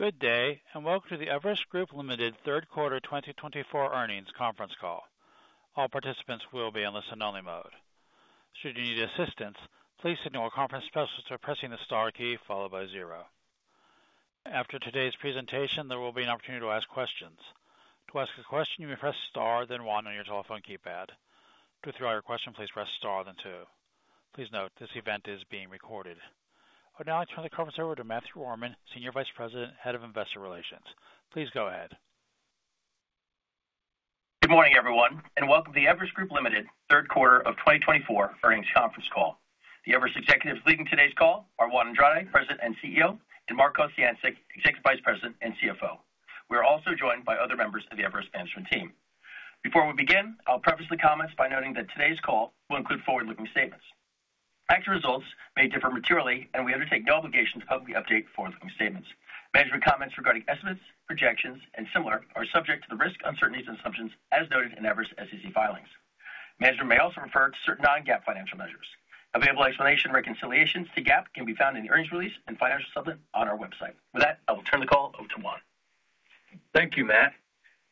Good day, and welcome to the Everest Group, Ltd. Third Quarter 2024 Earnings Conference Call. All participants will be in listen-only mode. Should you need assistance, please signal with conference specialist by pressing the star key followed by zero. After today's presentation, there will be an opportunity to ask questions. To ask a question, you may press star then one on your telephone keypad. To throw out your question, please press star then two. Please note, this event is being recorded. I would now like to turn the conference over to Matthew Rohrmann, Senior Vice President, Head of Investor Relations. Please go ahead. Good morning, everyone, and welcome to the Everest Group Ltd. Third Quarter of 2024 Earnings Conference Call. The Everest executives leading today's call are Juan Andrade, President and CEO, and Mark Kociancic, Executive Vice President and CFO. We are also joined by other members of the Everest management team. Before we begin, I'll preface the comments by noting that today's call will include forward-looking statements. Actual results may differ materially, and we undertake no obligation to publicly update forward-looking statements. Management comments regarding estimates, projections, and similar are subject to the risk, uncertainties, and assumptions as noted in Everest's SEC filings. Management may also refer to certain non-GAAP financial measures. Available explanation and reconciliations to GAAP can be found in the earnings release and financial supplement on our website. With that, I will turn the call over to Juan. Thank you, Matt.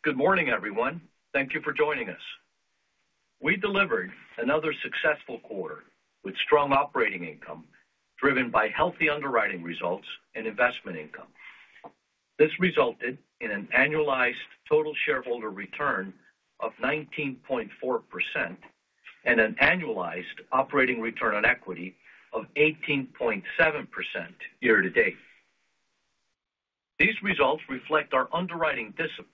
Good morning, everyone. Thank you for joining us. We delivered another successful quarter with strong operating income driven by healthy underwriting results and investment income. This resulted in an annualized total shareholder return of 19.4% and an annualized operating return on equity of 18.7% year to date. These results reflect our underwriting discipline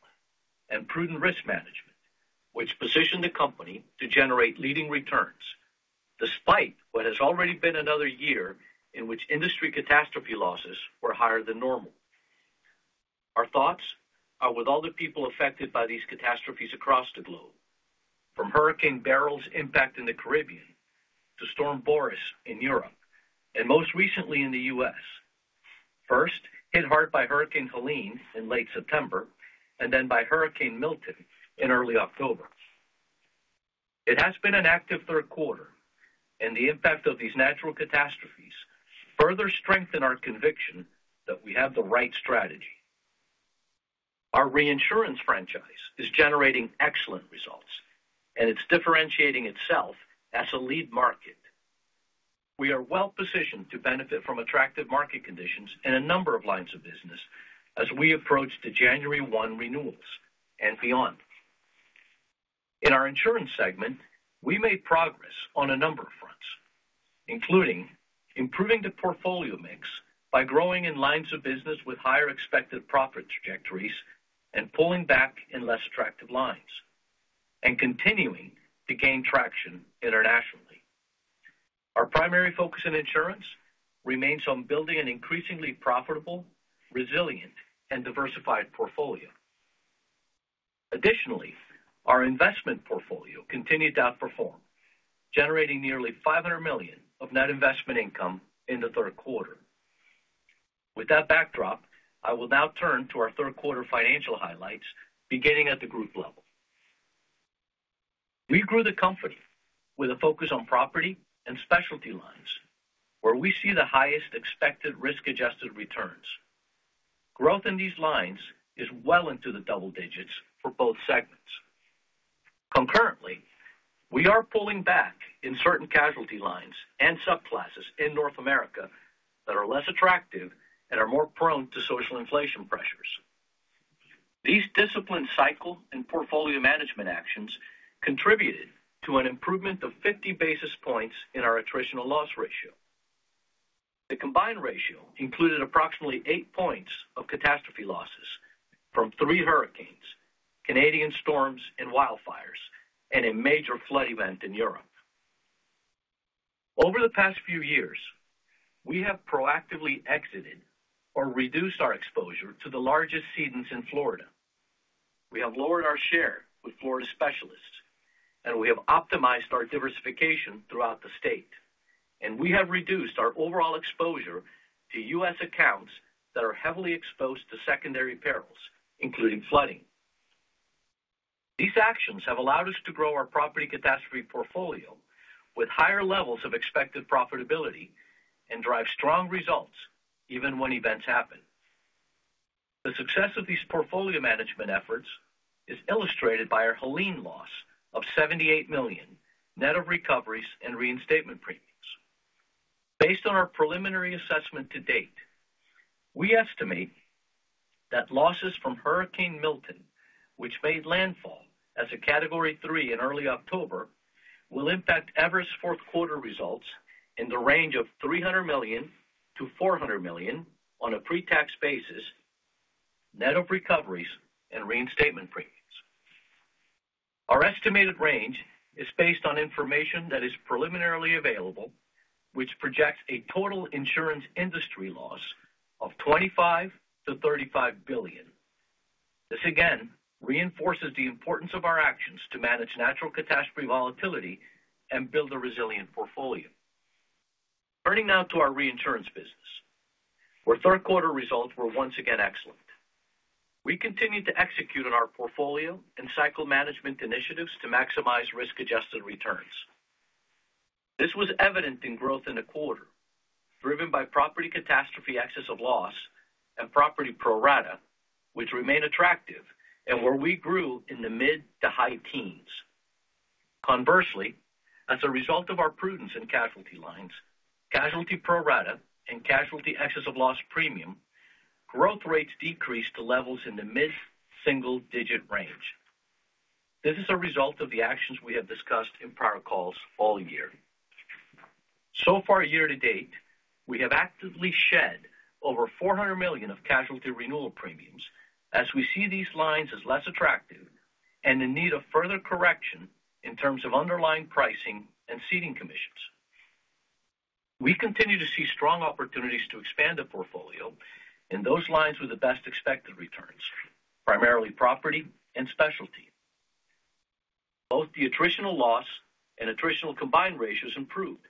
and prudent risk management, which positioned the company to generate leading returns despite what has already been another year in which industry catastrophe losses were higher than normal. Our thoughts are with all the people affected by these catastrophes across the globe, from Hurricane Beryl's impact in the Caribbean to Storm Boris in Europe and most recently in the U.S., first hit hard by Hurricane Helene in late September and then by Hurricane Milton in early October. It has been an active third quarter, and the impact of these natural catastrophes further strengthened our conviction that we have the right strategy. Our reinsurance franchise is generating excellent results, and it's differentiating itself as a lead market. We are well positioned to benefit from attractive market conditions in a number of lines of business as we approach the January 1 renewals and beyond. In our insurance segment, we made progress on a number of fronts, including improving the portfolio mix by growing in lines of business with higher expected profit trajectories and pulling back in less attractive lines, and continuing to gain traction internationally. Our primary focus in insurance remains on building an increasingly profitable, resilient, and diversified portfolio. Additionally, our investment portfolio continued to outperform, generating nearly $500 million of net investment income in the third quarter. With that backdrop, I will now turn to our third quarter financial highlights, beginning at the group level. We grew the company with a focus on property and specialty lines, where we see the highest expected risk-adjusted returns. Growth in these lines is well into the double digits for both segments. Concurrently, we are pulling back in certain casualty lines and subclasses in North America that are less attractive and are more prone to social inflation pressures. These disciplined cycle and portfolio management actions contributed to an improvement of 50 basis points in our attritional loss ratio. The combined ratio included approximately eight points of catastrophe losses from three hurricanes, Canadian storms and wildfires, and a major flood event in Europe. Over the past few years, we have proactively exited or reduced our exposure to the largest cedents in Florida. We have lowered our share with Florida specialists, and we have optimized our diversification throughout the state. We have reduced our overall exposure to U.S. accounts that are heavily exposed to secondary perils, including flooding. These actions have allowed us to grow our property catastrophe portfolio with higher levels of expected profitability and drive strong results even when events happen. The success of these portfolio management efforts is illustrated by our Helene loss of $78 million net of recoveries and reinstatement premiums. Based on our preliminary assessment to date, we estimate that losses from Hurricane Milton, which made landfall as a Category 3 in early October, will impact Everest's fourth quarter results in the range of $300 million-$400 million on a pre-tax basis, net of recoveries and reinstatement premiums. Our estimated range is based on information that is preliminarily available, which projects a total insurance industry loss of $25-$35 billion. This again reinforces the importance of our actions to manage natural catastrophe volatility and build a resilient portfolio. Turning now to our reinsurance business, where third quarter results were once again excellent. We continued to execute on our portfolio and cycle management initiatives to maximize risk-adjusted returns. This was evident in growth in the quarter, driven by property catastrophe excess of loss and property pro rata, which remain attractive and where we grew in the mid to high teens. Conversely, as a result of our prudence in casualty lines, casualty pro rata and casualty excess of loss premium, growth rates decreased to levels in the mid single-digit range. This is a result of the actions we have discussed in prior calls all year. So far, year to date, we have actively shed over $400 million of casualty renewal premiums as we see these lines as less attractive and in need of further correction in terms of underlying pricing and ceding commissions. We continue to see strong opportunities to expand the portfolio in those lines with the best expected returns, primarily property and specialty. Both the attritional loss and attritional combined ratios improved,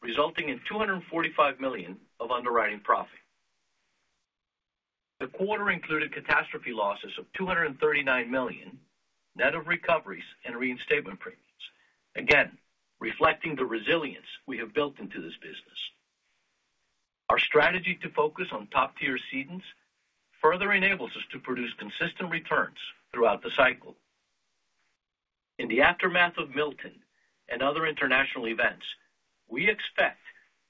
resulting in $245 million of underwriting profit. The quarter included catastrophe losses of $239 million net of recoveries and reinstatement premiums, again reflecting the resilience we have built into this business. Our strategy to focus on top-tier cedents further enables us to produce consistent returns throughout the cycle. In the aftermath of Milton and other international events, we expect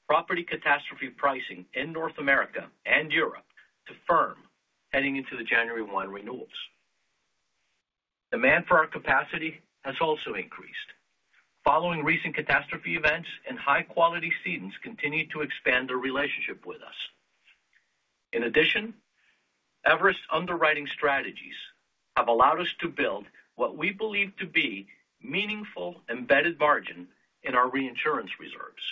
property catastrophe pricing in North America and Europe to firm heading into the January 1 renewals. Demand for our capacity has also increased following recent catastrophe events, and high-quality cedents continue to expand their relationship with us. In addition, Everest's underwriting strategies have allowed us to build what we believe to be meaningful embedded margin in our reinsurance reserves.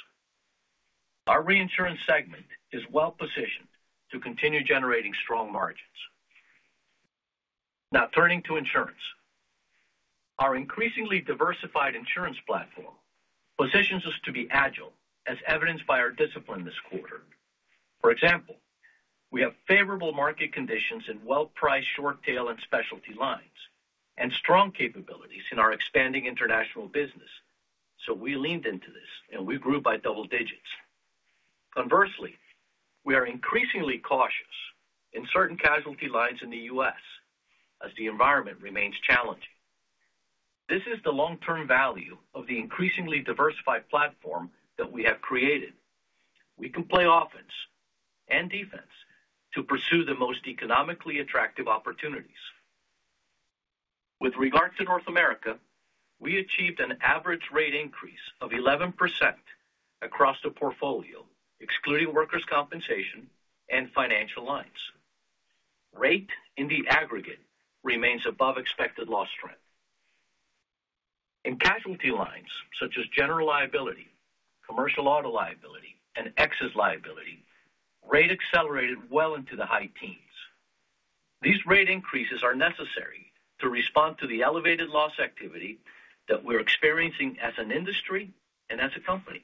Our reinsurance segment is well positioned to continue generating strong margins. Now turning to insurance, our increasingly diversified insurance platform positions us to be agile, as evidenced by our discipline this quarter. For example, we have favorable market conditions in well-priced short-tail and specialty lines and strong capabilities in our expanding international business, so we leaned into this and we grew by double digits. Conversely, we are increasingly cautious in certain casualty lines in the U.S. as the environment remains challenging. This is the long-term value of the increasingly diversified platform that we have created. We can play offense and defense to pursue the most economically attractive opportunities. With regard to North America, we achieved an average rate increase of 11% across the portfolio, excluding workers' compensation and financial lines. Rate in the aggregate remains above expected loss trend. In casualty lines such as general liability, commercial auto liability, and excess liability, rate accelerated well into the high teens. These rate increases are necessary to respond to the elevated loss activity that we're experiencing as an industry and as a company.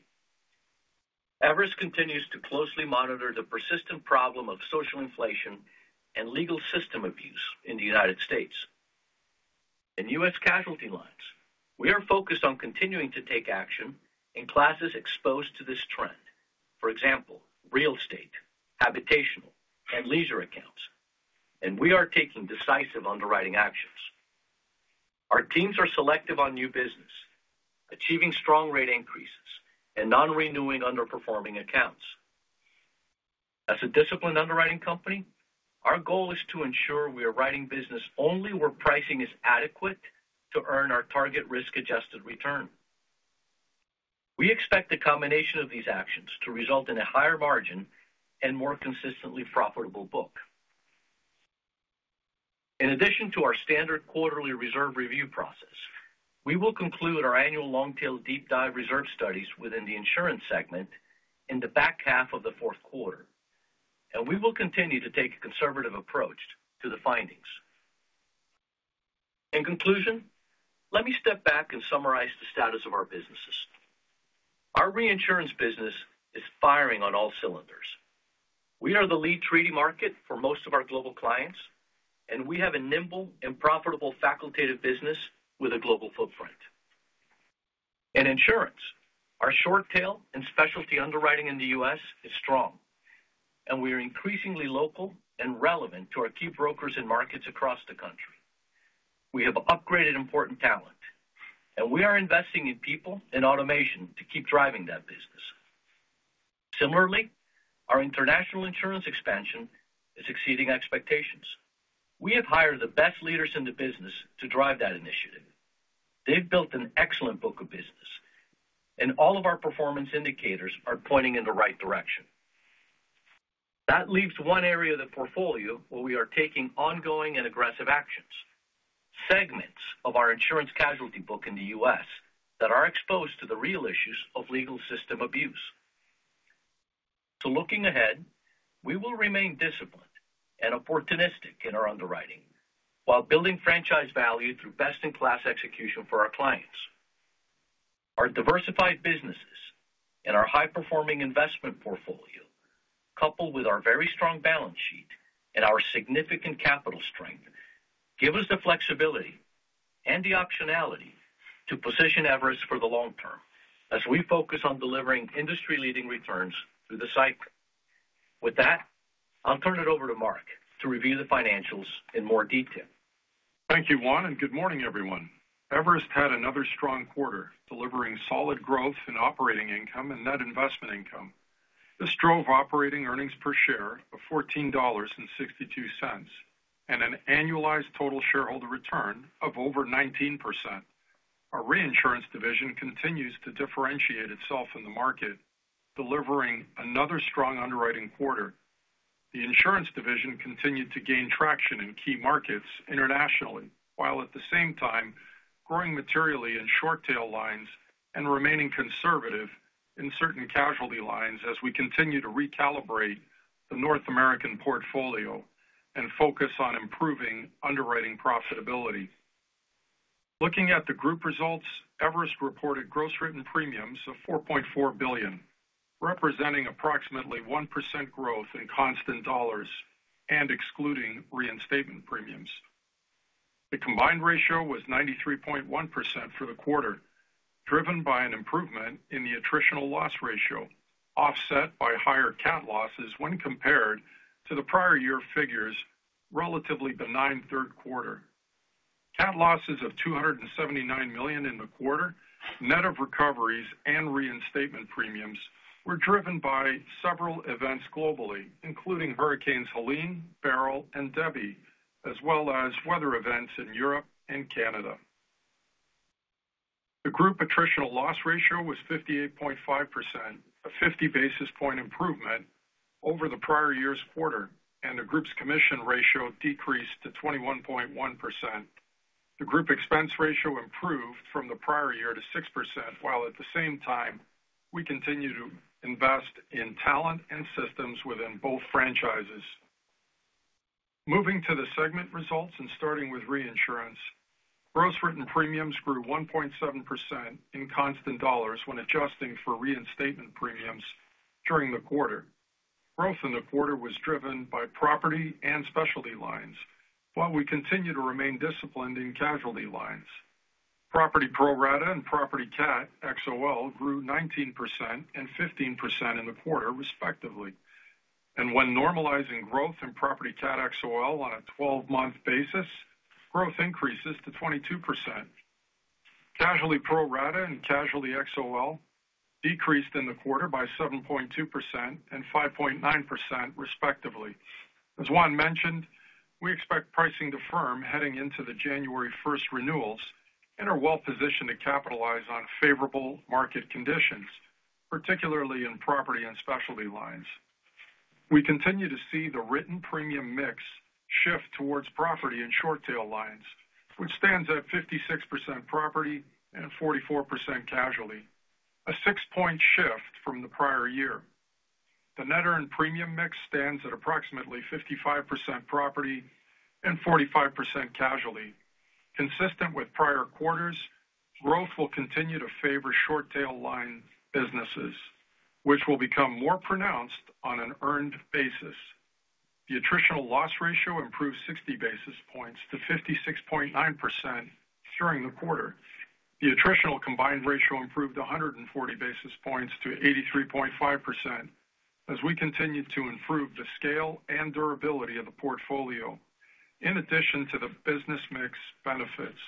Everest continues to closely monitor the persistent problem of social inflation and legal system abuse in the United States. In U.S. casualty lines, we are focused on continuing to take action in classes exposed to this trend, for example, real estate, habitational, and leisure accounts, and we are taking decisive underwriting actions. Our teams are selective on new business, achieving strong rate increases and non-renewing underperforming accounts. As a disciplined underwriting company, our goal is to ensure we are writing business only where pricing is adequate to earn our target risk-adjusted return. We expect the combination of these actions to result in a higher margin and more consistently profitable book. In addition to our standard quarterly reserve review process, we will conclude our annual long-tail deep dive reserve studies within the insurance segment in the back half of the fourth quarter, and we will continue to take a conservative approach to the findings. In conclusion, let me step back and summarize the status of our businesses. Our reinsurance business is firing on all cylinders. We are the lead treaty market for most of our global clients, and we have a nimble and profitable facultative business with a global footprint. In insurance, our short-tail and specialty underwriting in the U.S. is strong, and we are increasingly local and relevant to our key brokers and markets across the country. We have upgraded important talent, and we are investing in people and automation to keep driving that business. Similarly, our international insurance expansion is exceeding expectations. We have hired the best leaders in the business to drive that initiative. They've built an excellent book of business, and all of our performance indicators are pointing in the right direction. That leaves one area of the portfolio where we are taking ongoing and aggressive actions: segments of our insurance casualty book in the U.S. that are exposed to the real issues of legal system abuse. So looking ahead, we will remain disciplined and opportunistic in our underwriting while building franchise value through best-in-class execution for our clients. Our diversified businesses and our high-performing investment portfolio, coupled with our very strong balance sheet and our significant capital strength, give us the flexibility and the optionality to position Everest for the long term as we focus on delivering industry-leading returns through the cycle. With that, I'll turn it over to Mark to review the financials in more detail. Thank you, Juan, and good morning, everyone. Everest had another strong quarter, delivering solid growth in operating income and net investment income. This drove operating earnings per share of $14.62 and an annualized total shareholder return of over 19%. Our reinsurance division continues to differentiate itself in the market, delivering another strong underwriting quarter. The insurance division continued to gain traction in key markets internationally, while at the same time growing materially in short-tail lines and remaining conservative in certain casualty lines as we continue to recalibrate the North American portfolio and focus on improving underwriting profitability. Looking at the group results, Everest reported gross written premiums of $4.4 billion, representing approximately 1% growth in constant dollars and excluding reinstatement premiums. The combined ratio was 93.1% for the quarter, driven by an improvement in the attritional loss ratio, offset by higher CAT losses when compared to the prior year figures relative to the prior-year third quarter. CAT losses of $279 million in the quarter, net of recoveries and reinstatement premiums, were driven by several events globally, including hurricanes Helene, Beryl, and Debby, as well as weather events in Europe and Canada. The group attritional loss ratio was 58.5%, a 50 basis points improvement over the prior year's quarter, and the group's commission ratio decreased to 21.1%. The group expense ratio improved from the prior year to 6%, while at the same time we continue to invest in talent and systems within both franchises. Moving to the segment results and starting with reinsurance, gross written premiums grew 1.7% in constant dollars when adjusting for reinstatement premiums during the quarter. Growth in the quarter was driven by property and specialty lines, while we continue to remain disciplined in casualty lines. Property pro rata and property CAT XOL grew 19% and 15% in the quarter, respectively. And when normalizing growth in property CAT XOL on a 12-month basis, growth increases to 22%. Casualty pro rata and casualty XOL decreased in the quarter by 7.2% and 5.9%, respectively. As Juan mentioned, we expect pricing to firm heading into the January 1st renewals and are well positioned to capitalize on favorable market conditions, particularly in property and specialty lines. We continue to see the written premium mix shift towards property and short-tail lines, which stands at 56% property and 44% casualty, a six-point shift from the prior year. The net earned premium mix stands at approximately 55% property and 45% casualty. Consistent with prior quarters, growth will continue to favor short-tail line businesses, which will become more pronounced on an earned basis. The attritional loss ratio improved 60 basis points to 56.9% during the quarter. The attritional combined ratio improved 140 basis points to 83.5% as we continue to improve the scale and durability of the portfolio, in addition to the business mix benefits.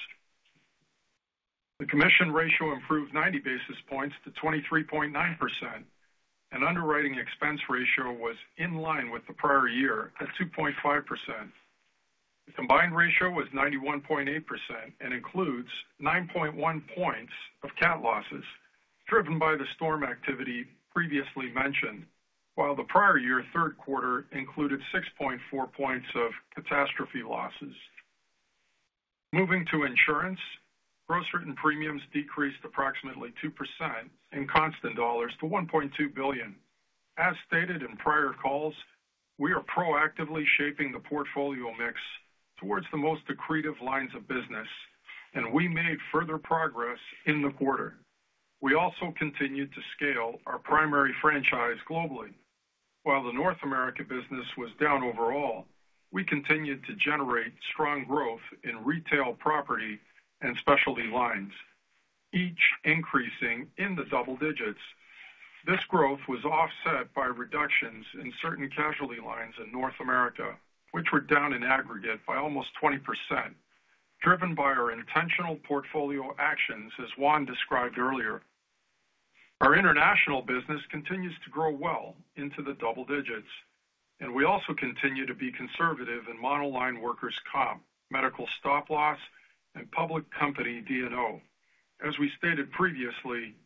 The commission ratio improved 90 basis points to 23.9%, and underwriting expense ratio was in line with the prior year at 2.5%. The combined ratio was 91.8% and includes 9.1 points of CAT losses driven by the storm activity previously mentioned, while the prior year third quarter included 6.4 points of catastrophe losses. Moving to insurance, gross written premiums decreased approximately 2% in constant dollars to $1.2 billion. As stated in prior calls, we are proactively shaping the portfolio mix towards the most accretive lines of business, and we made further progress in the quarter. We also continued to scale our primary franchise globally. While the North America business was down overall, we continued to generate strong growth in retail property and specialty lines, each increasing in the double digits. This growth was offset by reductions in certain casualty lines in North America, which were down in aggregate by almost 20%, driven by our intentional portfolio actions, as Juan described earlier. Our international business continues to grow well into the double digits, and we also continue to be conservative in monoline workers' comp, medical stop loss, and public company D&O. As we stated previously,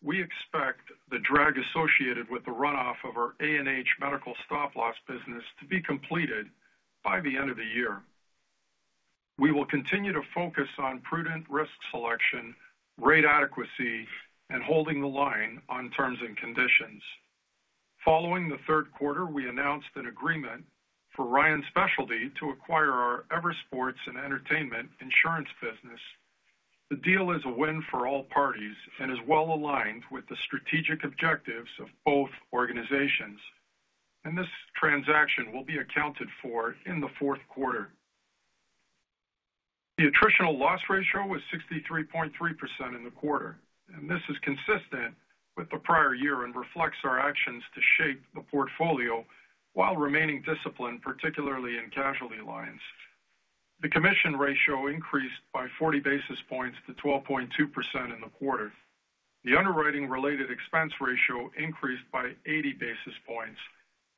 we expect the drag associated with the runoff of our A&H medical stop loss business to be completed by the end of the year. We will continue to focus on prudent risk selection, rate adequacy, and holding the line on terms and conditions. Following the third quarter, we announced an agreement for Ryan Specialty to acquire our Everest Sports and Entertainment insurance business. The deal is a win for all parties and is well aligned with the strategic objectives of both organizations, and this transaction will be accounted for in the fourth quarter. The attritional loss ratio was 63.3% in the quarter, and this is consistent with the prior year and reflects our actions to shape the portfolio while remaining disciplined, particularly in casualty lines. The commission ratio increased by 40 basis points to 12.2% in the quarter. The underwriting-related expense ratio increased by 80 basis points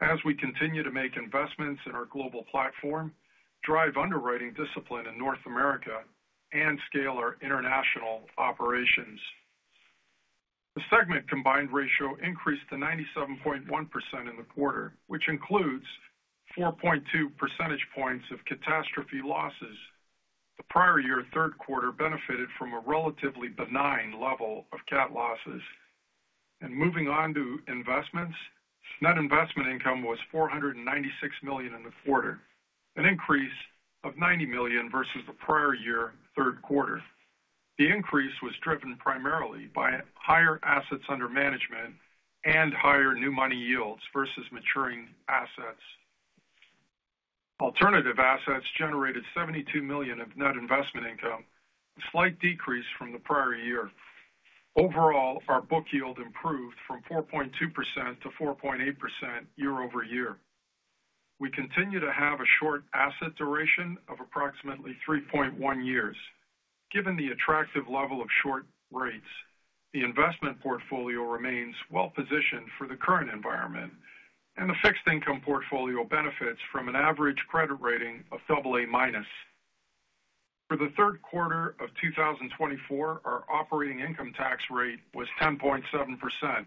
as we continue to make investments in our global platform, drive underwriting discipline in North America, and scale our international operations. The segment combined ratio increased to 97.1% in the quarter, which includes 4.2 percentage points of catastrophe losses. The prior year third quarter benefited from a relatively benign level of CAT losses. Moving on to investments, net investment income was $496 million in the quarter, an increase of $90 million versus the prior year third quarter. The increase was driven primarily by higher assets under management and higher new money yields versus maturing assets. Alternative assets generated $72 million of net investment income, a slight decrease from the prior year. Overall, our book yield improved from 4.2% to 4.8% year over year. We continue to have a short asset duration of approximately 3.1 years. Given the attractive level of short rates, the investment portfolio remains well positioned for the current environment, and the fixed income portfolio benefits from an average credit rating of AA-. For the third quarter of 2024, our operating income tax rate was 10.7%,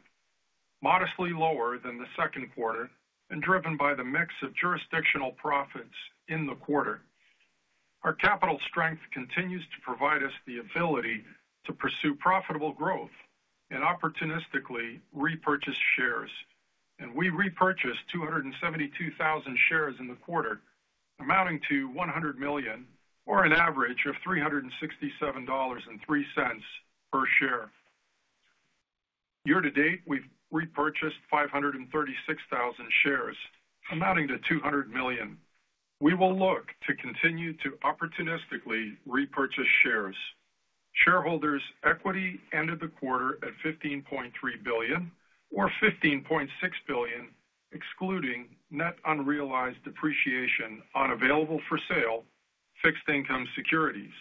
modestly lower than the second quarter and driven by the mix of jurisdictional profits in the quarter. Our capital strength continues to provide us the ability to pursue profitable growth and opportunistically repurchase shares, and we repurchased 272,000 shares in the quarter, amounting to $100 million or an average of $367.03 per share. Year to date, we've repurchased 536,000 shares, amounting to $200 million. We will look to continue to opportunistically repurchase shares. Shareholders' equity ended the quarter at $15.3 billion or $15.6 billion, excluding net unrealized depreciation on available for sale fixed income securities.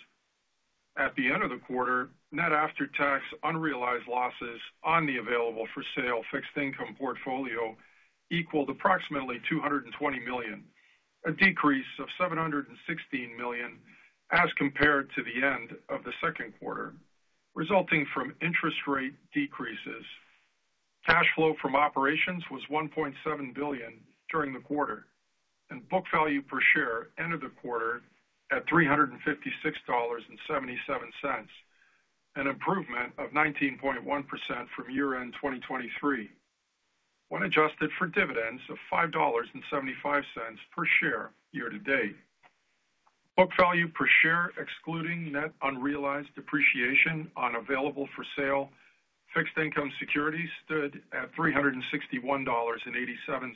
At the end of the quarter, net after-tax unrealized losses on the available for sale fixed income portfolio equaled approximately $220 million, a decrease of $716 million as compared to the end of the second quarter, resulting from interest rate decreases. Cash flow from operations was $1.7 billion during the quarter, and book value per share ended the quarter at $356.77, an improvement of 19.1% from year-end 2023, when adjusted for dividends of $5.75 per share year to date. Book value per share, excluding net unrealized depreciation on available for sale fixed income securities, stood at $361.87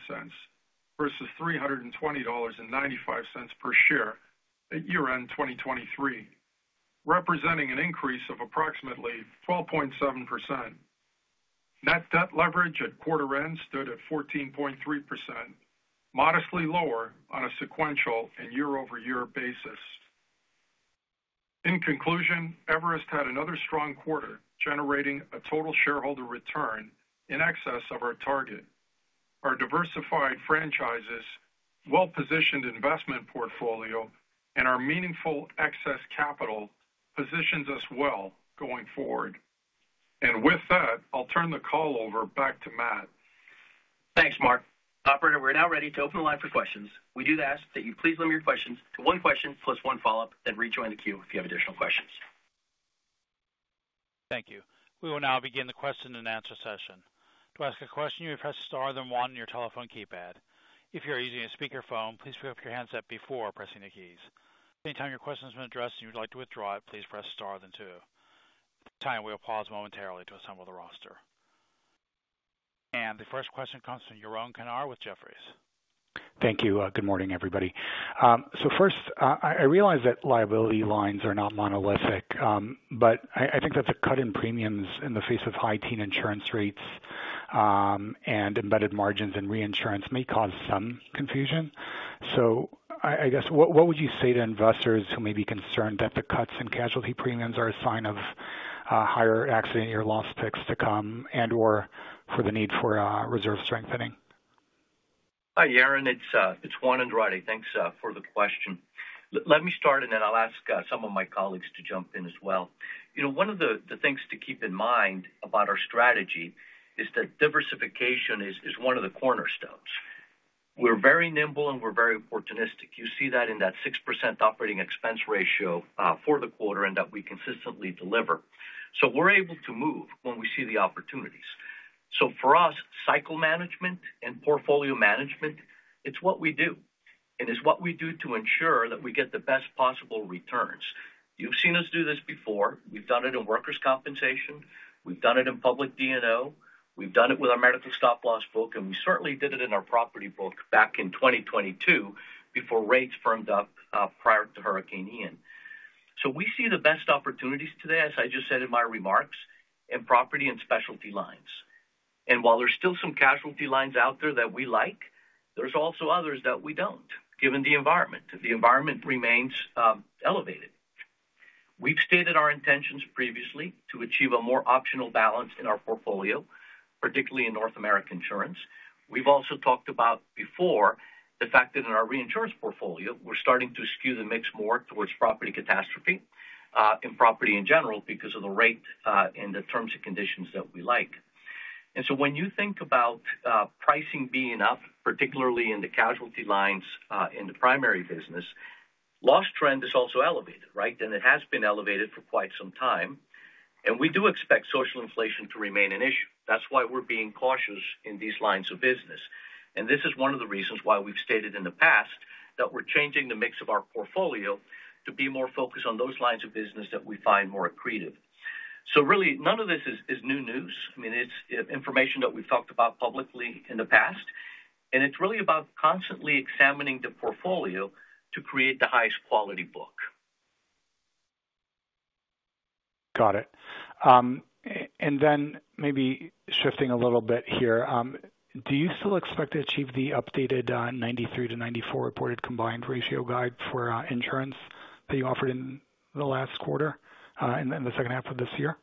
versus $320.95 per share at year-end 2023, representing an increase of approximately 12.7%. Net debt leverage at quarter-end stood at 14.3%, modestly lower on a sequential and year-over-year basis. In conclusion, Everest had another strong quarter, generating a total shareholder return in excess of our target. Our diversified franchises, well-positioned investment portfolio, and our meaningful excess capital position us well going forward. And with that, I'll turn the call over back to Matt. Thanks, Mark. Operator, we're now ready to open the line for questions. We do ask that you please limit your questions to one question plus one follow-up, then rejoin the queue if you have additional questions. Thank you. We will now begin the question-and-answer session. To ask a question, you may press star then one on your telephone keypad. If you are using a speakerphone, please put your hands up before pressing the keys. Anytime your question has been addressed and you'd like to withdraw it, please press star then two. At this time, we will pause momentarily to assemble the roster, and the first question comes from Yaron Kinar with Jefferies. Thank you. Good morning, everybody. First, I realize that liability lines are not monolithic, but I think that the cut in premiums in the face of high teen insurance rates and embedded margins in reinsurance may cause some confusion. So I guess, what would you say to investors who may be concerned that the cuts in casualty premiums are a sign of higher accident-year loss picks to come and/or for the need for reserve strengthening? Hi, Yaron. It's Juan Andrade. Thanks for the question. Let me start, and then I'll ask some of my colleagues to jump in as well. One of the things to keep in mind about our strategy is that diversification is one of the cornerstones. We're very nimble, and we're very opportunistic. You see that in that 6% operating expense ratio for the quarter and that we consistently deliver. So we're able to move when we see the opportunities. So for us, cycle management and portfolio management, it's what we do, and it's what we do to ensure that we get the best possible returns. You've seen us do this before. We've done it in workers' compensation. We've done it in public D&O. We've done it with our medical stop loss book, and we certainly did it in our property book back in 2022 before rates firmed up prior to Hurricane Ian. So we see the best opportunities today, as I just said in my remarks, in property and specialty lines. And while there's still some casualty lines out there that we like, there's also others that we don't, given the environment. The environment remains elevated. We've stated our intentions previously to achieve a more optimal balance in our portfolio, particularly in North America insurance. We've also talked about before the fact that in our reinsurance portfolio, we're starting to skew the mix more towards property catastrophe and property in general because of the rate and the terms and conditions that we like. And so when you think about pricing being up, particularly in the casualty lines in the primary business, loss trend is also elevated, right? And it has been elevated for quite some time. And we do expect social inflation to remain an issue. That's why we're being cautious in these lines of business. And this is one of the reasons why we've stated in the past that we're changing the mix of our portfolio to be more focused on those lines of business that we find more accretive. So really, none of this is new news. I mean, it's information that we've talked about publicly in the past, and it's really about constantly examining the portfolio to create the highest quality book. Got it. Then maybe shifting a little bit here, do you still expect to achieve the updated 93%-94% reported combined ratio guide for insurance that you offered in the last quarter and the second half of this year?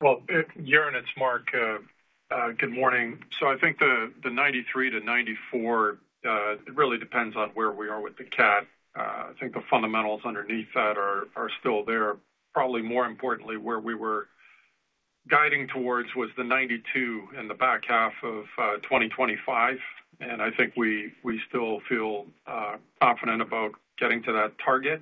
Well, Yaron, it's Mark. Good morning. So I think the 93%-94% really depends on where we are with the CAT. I think the fundamentals underneath that are still there. Probably more importantly, where we were guiding towards was the 92% in the back half of 2025, and I think we still feel confident about getting to that target.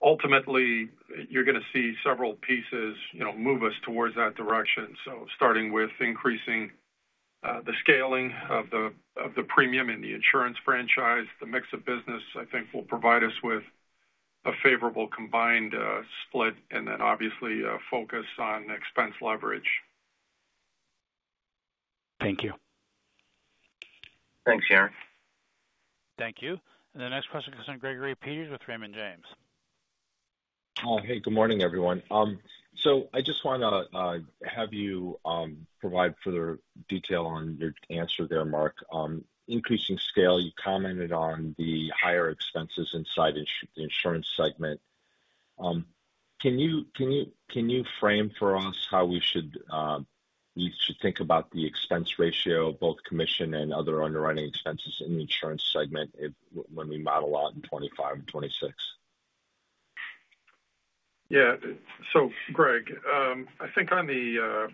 Ultimately, you're going to see several pieces move us towards that direction. So starting with increasing the scaling of the premium in the insurance franchise, the mix of business, I think will provide us with a favorable combined split, and then obviously focus on expense leverage. Thank you. Thanks, Yaron. Thank you. And the next question comes from Gregory Peters with Raymond James. Hi, good morning, everyone. So I just want to have you provide further detail on your answer there, Mark. Increasing scale, you commented on the higher expenses inside the insurance segment. Can you frame for us how we should think about the expense ratio, both commission and other underwriting expenses in the insurance segment when we model out in 2025 and 2026? Yeah. So Greg, I think on the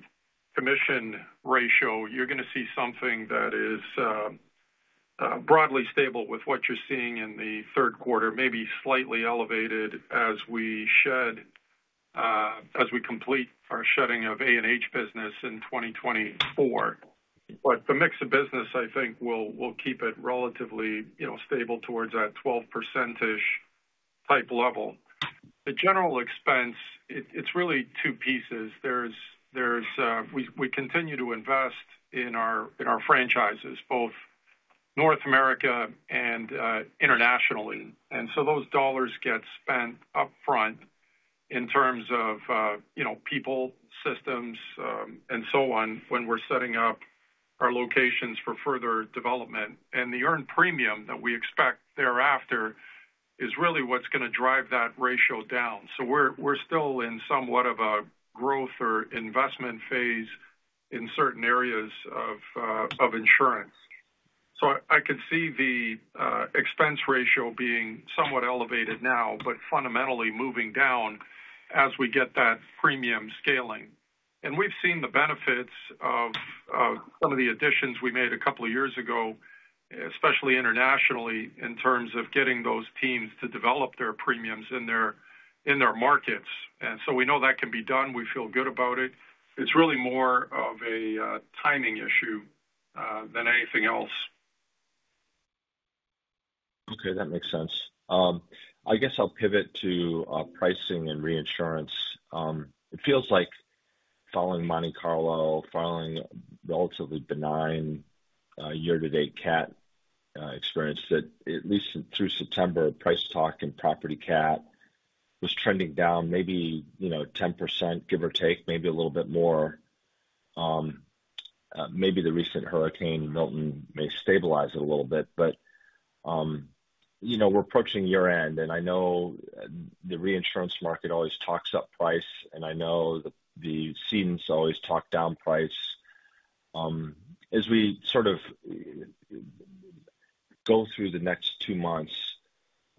commission ratio, you're going to see something that is broadly stable with what you're seeing in the third quarter, maybe slightly elevated as we complete our shedding of A&H business in 2024. But the mix of business, I think, will keep it relatively stable towards that 12%-ish type level. The general expense, it's really two pieces. We continue to invest in our franchises, both North America and internationally. And so those dollars get spent upfront in terms of people, systems, and so on when we're setting up our locations for further development. And the earned premium that we expect thereafter is really what's going to drive that ratio down. So we're still in somewhat of a growth or investment phase in certain areas of insurance. So I could see the expense ratio being somewhat elevated now, but fundamentally moving down as we get that premium scaling. And we've seen the benefits of some of the additions we made a couple of years ago, especially internationally, in terms of getting those teams to develop their premiums in their markets. And so we know that can be done. We feel good about it. It's really more of a timing issue than anything else. Okay. That makes sense. I guess I'll pivot to pricing and reinsurance. It feels like following Monte Carlo, following relatively benign year-to-date CAT experience that at least through September, price talk and property CAT was trending down maybe 10%, give or take, maybe a little bit more. Maybe the recent hurricane Milton may stabilize it a little bit. But we're approaching year-end, and I know the reinsurance market always talks up price, and I know the seasons always talk down price. As we sort of go through the next two months,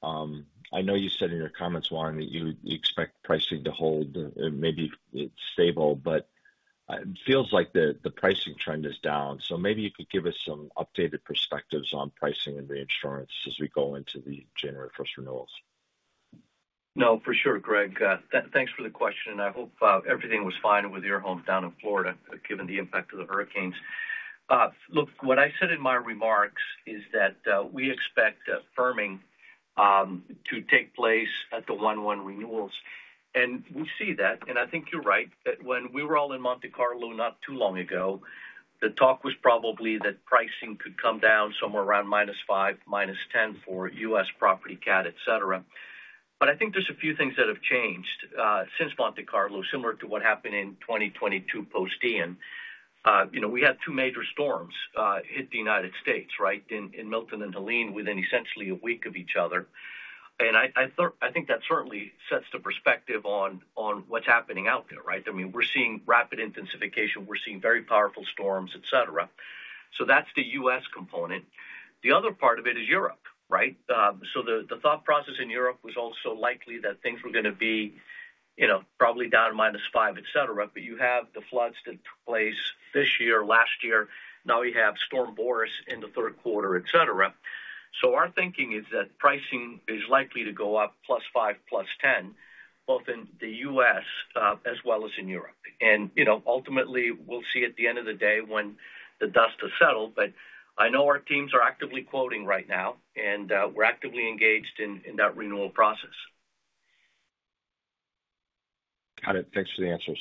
I know you said in your comments, Juan, that you expect pricing to hold and maybe stable, but it feels like the pricing trend is down. So maybe you could give us some updated perspectives on pricing and reinsurance as we go into the January 1st renewals. No, for sure, Greg. Thanks for the question. I hope everything was fine with your homes down in Florida, given the impact of the hurricanes. Look, what I said in my remarks is that we expect firming to take place at the one-to-one renewals. And we see that. And I think you're right that when we were all in Monte Carlo not too long ago, the talk was probably that pricing could come down somewhere around minus 5, minus 10 for U.S. property CAT, etc. But I think there's a few things that have changed since Monte Carlo, similar to what happened in 2022 post-Dean. We had two major storms hit the United States, right, in Milton and Helene within essentially a week of each other. And I think that certainly sets the perspective on what's happening out there, right? I mean, we're seeing rapid intensification. We're seeing very powerful storms, etc. So that's the U.S. component. The other part of it is Europe, right? So the thought process in Europe was also likely that things were going to be probably down to minus 5%, etc. But you have the floods that took place this year, last year. Now we have Storm Boris in the third quarter, etc. So our thinking is that pricing is likely to go up plus 5% to plus 10%, both in the U.S. as well as in Europe. And ultimately, we'll see at the end of the day when the dust has settled. But I know our teams are actively quoting right now, and we're actively engaged in that renewal process. Got it. Thanks for the answers.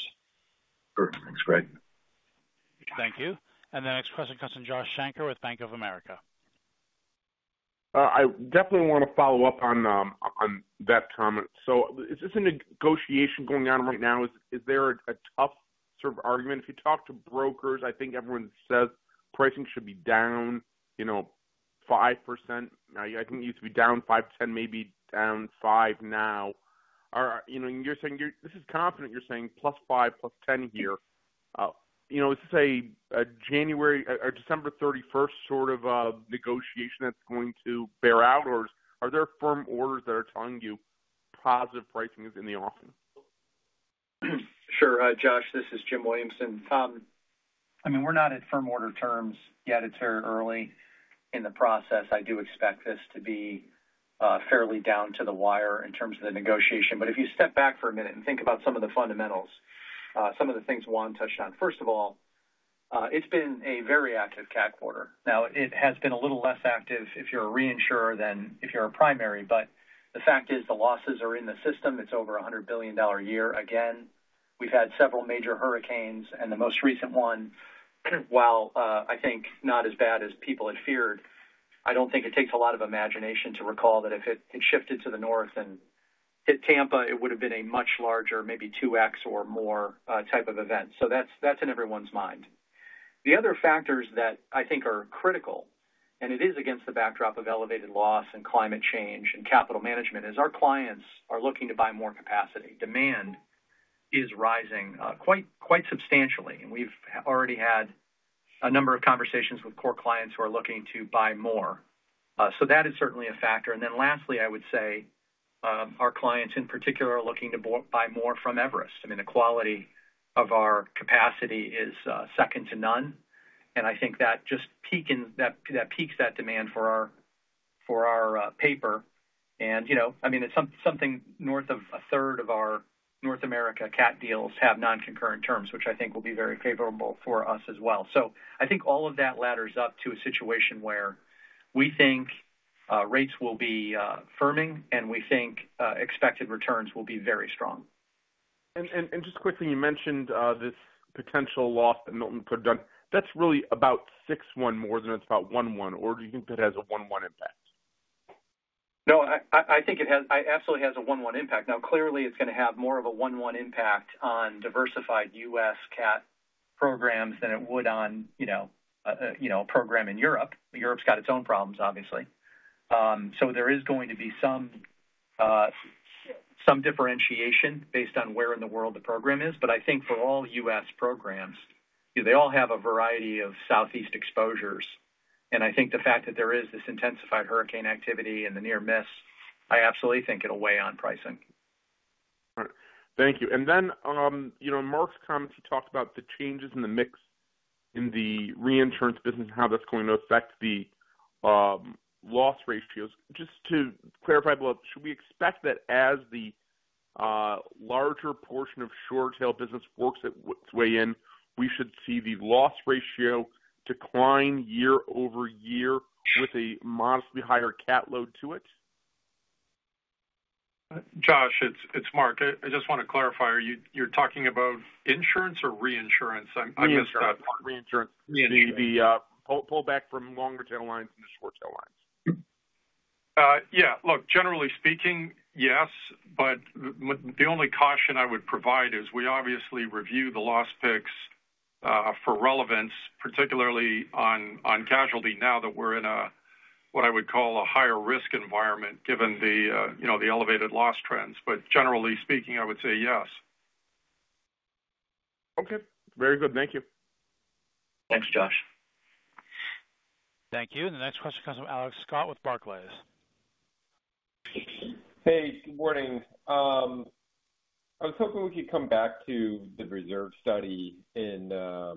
Perfect. Thanks, Greg. Thank you. And the next question comes from Josh Shanker with Bank of America. I definitely want to follow up on that comment. So is this a negotiation going on right now? Is there a tough sort of argument? If you talk to brokers, I think everyone says pricing should be down 5%. I think it needs to be down 5-10, maybe down 5 now. And you're saying this is confident. You're saying plus 5, plus 10 here. Is this a January or December 31st sort of negotiation that's going to bear out, or are there firm orders that are telling you positive pricing is in the offing? Sure. Josh, this is Jim Williamson. I mean, we're not at firm order terms yet. It's very early in the process. I do expect this to be fairly down to the wire in terms of the negotiation. But if you step back for a minute and think about some of the fundamentals, some of the things Juan touched on, first of all, it's been a very active CAT quarter. Now, it has been a little less active if you're a reinsurer than if you're a primary. But the fact is the losses are in the system. It's over $100 billion a year. Again, we've had several major hurricanes, and the most recent one, while I think not as bad as people had feared, I don't think it takes a lot of imagination to recall that if it shifted to the north and hit Tampa, it would have been a much larger, maybe 2x or more type of event. So that's in everyone's mind. The other factors that I think are critical, and it is against the backdrop of elevated loss and climate change and capital management, is our clients are looking to buy more capacity. Demand is rising quite substantially. And we've already had a number of conversations with core clients who are looking to buy more. So that is certainly a factor. And then lastly, I would say our clients in particular are looking to buy more from Everest. I mean, the quality of our capacity is second to none. And I think that just piques that demand for our paper. And I mean, it's something north of a third of our North America CAT deals have non-concurrent terms, which I think will be very favorable for us as well. So I think all of that ladders up to a situation where we think rates will be firming, and we think expected returns will be very strong. And just quickly, you mentioned this potential loss that Milton put down. That's really about 6/1 more than it's about 1/1, or do you think it has a 11 impact? No, I think it absolutely has a 1/1 impact. Now, clearly, it's going to have more of a one-to-one impact on diversified US CAT programs than it would on a program in Europe. Europe's got its own problems, obviously, so there is going to be some differentiation based on where in the world the program is. But I think for all US programs, they all have a variety of southeast exposures, and I think the fact that there is this intensified hurricane activity in the near miss. I absolutely think it'll weigh on pricing, right? Thank you, and then in Mark's comments, he talked about the changes in the mix in the reinsurance business and how that's going to affect the loss ratios. Just to clarify, should we expect that as the larger portion of short-tail business works its way in, we should see the loss ratio decline year over year with a modestly higher CAT load to it? Josh, it's Mark. I just want to clarify. Are you talking about insurance or reinsurance? I missed that part. Reinsurance. The pullback from longer-tail lines and the short-tail lines. Yeah. Look, generally speaking, yes. But the only caution I would provide is we obviously review the loss picks for relevance, particularly on casualty now that we're in a, what I would call, a higher-risk environment given the elevated loss trends. But generally speaking, I would say yes. Okay. Very good. Thank you. Thanks, Josh. Thank you. And the next question comes from Alex Scott with Barclays. Hey, good morning. I was hoping we could come back to the reserve study that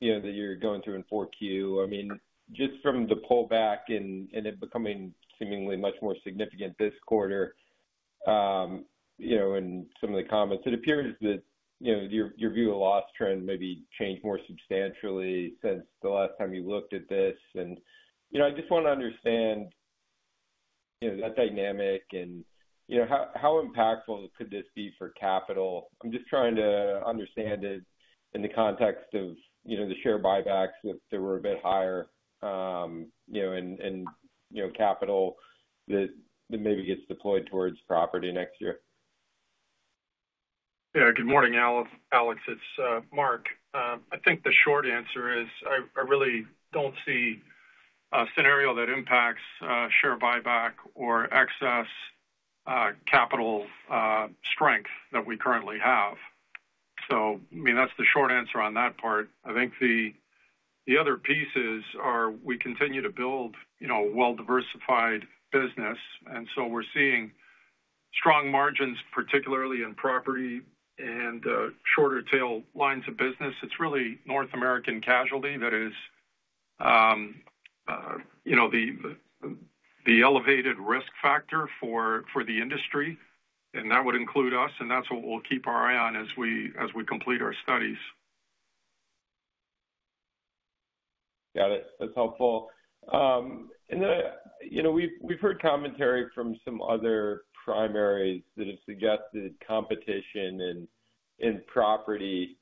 you're going through in 4Q. I mean, just from the pullback and it becoming seemingly much more significant this quarter in some of the comments, it appears that your view of loss trend maybe changed more substantially since the last time you looked at this. And I just want to understand that dynamic and how impactful could this be for capital? I'm just trying to understand it in the context of the share buybacks if they were a bit higher and capital that maybe gets deployed towards property next year. Yeah. Good morning, Alex. It's Mark. I think the short answer is I really don't see a scenario that impacts share buyback or excess capital strength that we currently have. So I mean, that's the short answer on that part. I think the other pieces are we continue to build a well-diversified business. And so we're seeing strong margins, particularly in property and shorter-tail lines of business. It's really North American casualty that is the elevated risk factor for the industry. And that would include us. And that's what we'll keep our eye on as we complete our studies. Got it. That's helpful. And we've heard commentary from some other primaries that have suggested competition in property,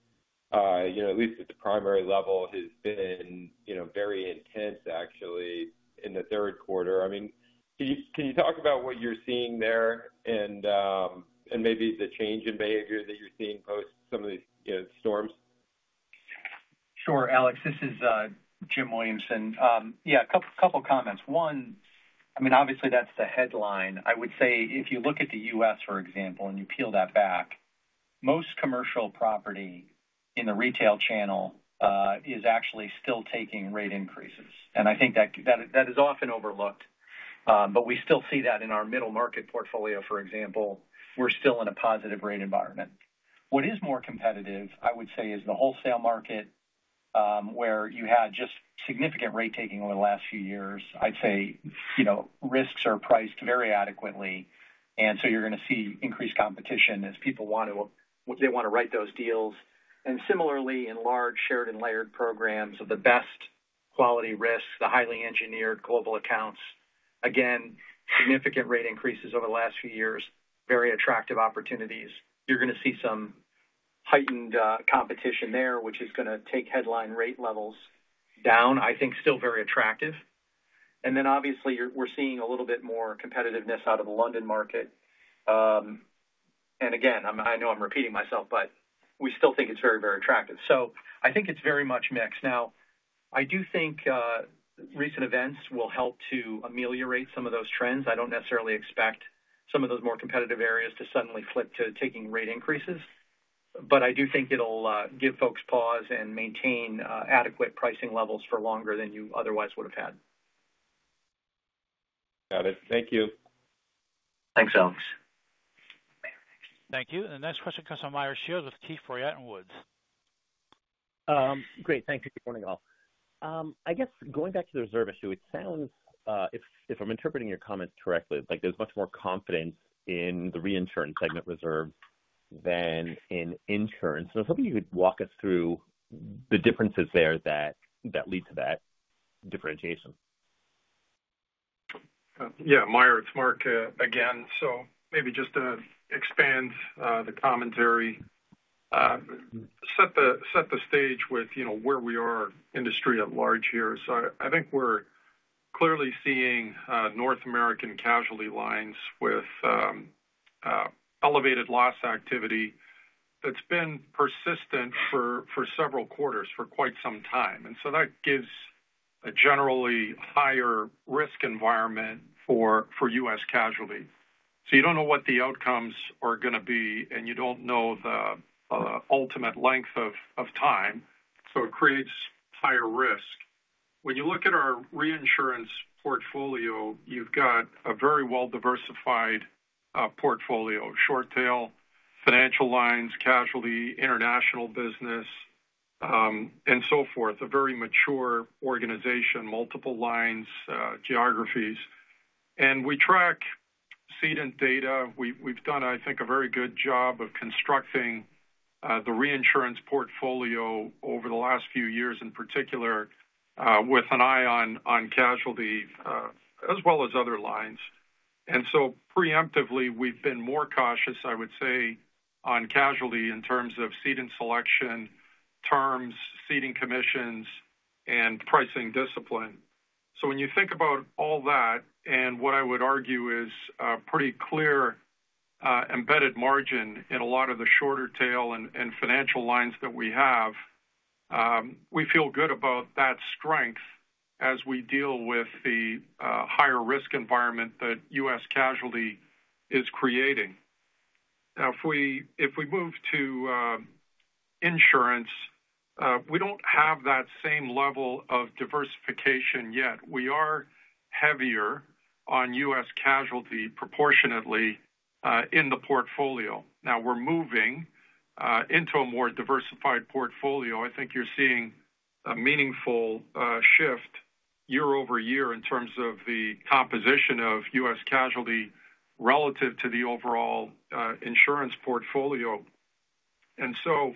at least at the primary level, has been very intense, actually, in the third quarter. I mean, can you talk about what you're seeing there and maybe the change in behavior that you're seeing post some of these storms? Sure, Alex. This is Jim Williamson. Yeah, a couple of comments. One, I mean, obviously, that's the headline. I would say if you look at the U.S., for example, and you peel that back, most commercial property in the retail channel is actually still taking rate increases. I think that is often overlooked. We still see that in our middle market portfolio, for example. We're still in a positive rate environment. What is more competitive, I would say, is the wholesale market where you had just significant rate-taking over the last few years. I'd say risks are priced very adequately. And so you're going to see increased competition as people want to write those deals. And similarly, in large shared and layered programs of the best quality risks, the highly engineered global accounts, again, significant rate increases over the last few years, very attractive opportunities. You're going to see some heightened competition there, which is going to take headline rate levels down. I think still very attractive. And then, obviously, we're seeing a little bit more competitiveness out of the London market. And again, I know I'm repeating myself, but we still think it's very, very attractive. So I think it's very much mixed. Now, I do think recent events will help to ameliorate some of those trends. I don't necessarily expect some of those more competitive areas to suddenly flip to taking rate increases. But I do think it'll give folks pause and maintain adequate pricing levels for longer than you otherwise would have had. Got it. Thank you. Thanks, Alex. Thank you. And the next question comes from Meyer Shields with Keefe, Bruyette & Woods. Great. Thank you. Good morning, all. I guess going back to the reserve issue, it sounds, if I'm interpreting your comments correctly, like there's much more confidence in the reinsurance segment reserve than in insurance. And I was hoping you could walk us through the differences there that lead to that differentiation. Yeah. Myers, Mark again. So maybe just to expand the commentary, set the stage with where we are. Industry at large here. So I think we're clearly seeing North American casualty lines with elevated loss activity that's been persistent for several quarters for quite some time. And so that gives a generally higher risk environment for U.S. casualty. So you don't know what the outcomes are going to be, and you don't know the ultimate length of time. So it creates higher risk. When you look at our reinsurance portfolio, you've got a very well-diversified portfolio: short-tail, financial lines, casualty, international business, and so forth, a very mature organization, multiple lines, geographies. And we track cedent data. We've done, I think, a very good job of constructing the reinsurance portfolio over the last few years, in particular, with an eye on casualty as well as other lines. And so preemptively, we've been more cautious, I would say, on casualty in terms of cedent selection, terms, cedent commissions, and pricing discipline. So when you think about all that and what I would argue is a pretty clear embedded margin in a lot of the short-tail and financial lines that we have, we feel good about that strength as we deal with the higher risk environment that U.S. casualty is creating. Now, if we move to insurance, we don't have that same level of diversification yet. We are heavier on U.S. casualty proportionately in the portfolio. Now, we're moving into a more diversified portfolio. I think you're seeing a meaningful shift year over year in terms of the composition of U.S. casualty relative to the overall insurance portfolio. And so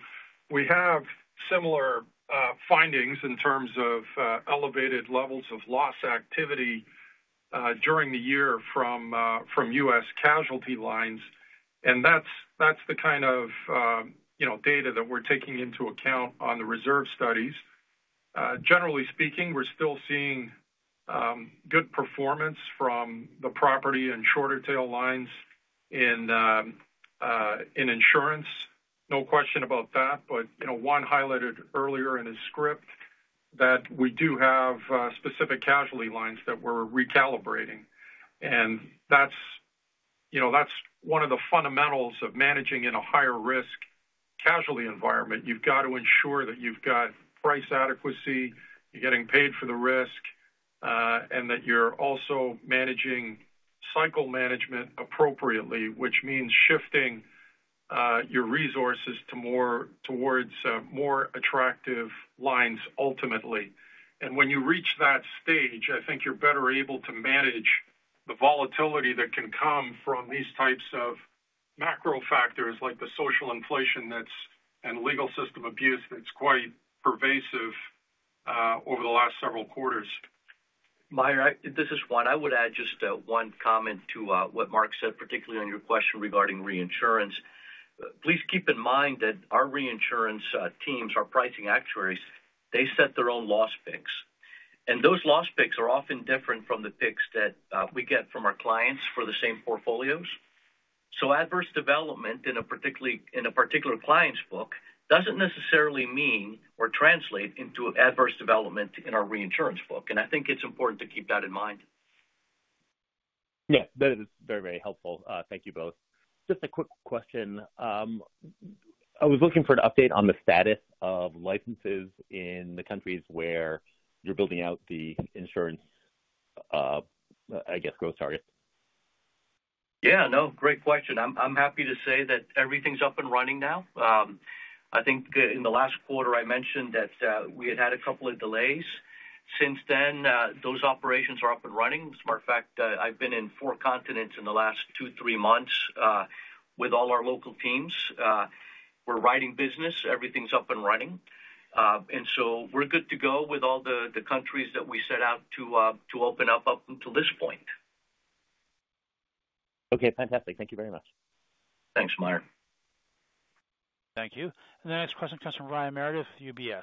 we have similar findings in terms of elevated levels of loss activity during the year from U.S. casualty lines. And that's the kind of data that we're taking into account on the reserve studies. Generally speaking, we're still seeing good performance from the property and shorter-tail lines in insurance. No question about that. But Juan highlighted earlier in his script that we do have specific casualty lines that we're recalibrating. And that's one of the fundamentals of managing in a higher-risk casualty environment. You've got to ensure that you've got price adequacy, you're getting paid for the risk, and that you're also managing cycle management appropriately, which means shifting your resources towards more attractive lines, ultimately. And when you reach that stage, I think you're better able to manage the volatility that can come from these types of macro factors like the social inflation and legal system abuse that's quite pervasive over the last several quarters. Meyer, this is Juan. I would add just one comment to what Mark said, particularly on your question regarding reinsurance. Please keep in mind that our reinsurance teams, our pricing actuaries, they set their own loss picks. And those loss picks are often different from the picks that we get from our clients for the same portfolios. So adverse development in a particular client's book doesn't necessarily mean or translate into adverse development in our reinsurance book. And I think it's important to keep that in mind. Yeah. That is very, very helpful. Thank you both. Just a quick question. I was looking for an update on the status of licenses in the countries where you're building out the insurance, I guess, growth target. Yeah. No, great question. I'm happy to say that everything's up and running now. I think in the last quarter, I mentioned that we had had a couple of delays. Since then, those operations are up and running. As a matter of fact, I've been in four continents in the last two, three months with all our local teams. We're writing business. Everything's up and running. And so we're good to go with all the countries that we set out to open up until this point. Okay. Fantastic. Thank you very much. Thanks, Meyer. Thank you. And the next question comes from Brian Meredith, UBS.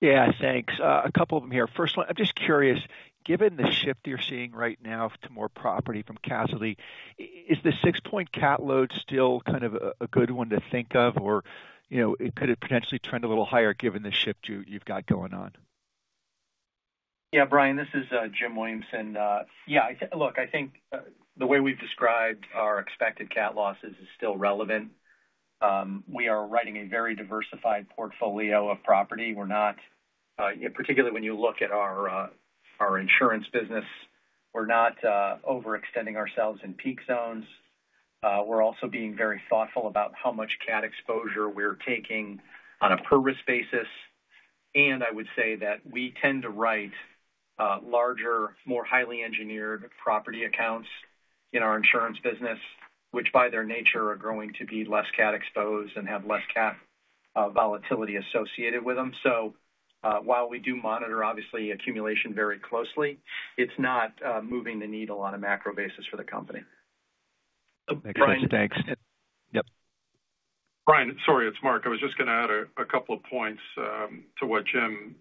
Yeah. Thanks. A couple of them here. First one, I'm just curious, given the shift you're seeing right now to more property from casualty, is the six-point cat load still kind of a good one to think of, or could it potentially trend a little higher given the shift you've got going on? Yeah. Brian, this is Jim Williamson. Yeah. Look, I think the way we've described our expected cat losses is still relevant. We are writing a very diversified portfolio of property. Particularly when you look at our insurance business, we're not overextending ourselves in peak zones. We're also being very thoughtful about how much cat exposure we're taking on a per-risk basis. And I would say that we tend to write larger, more highly engineered property accounts in our insurance business, which by their nature are going to be less cat exposed and have less cat volatility associated with them. So while we do monitor, obviously, accumulation very closely, it's not moving the needle on a macro basis for the company. Thanks. Thanks. Yep. Brian, sorry. It's Mark. I was just going to add a couple of points to what Jim